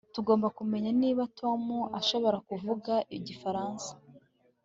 Tugomba kumenya niba Tom ashobora kuvuga igifaransa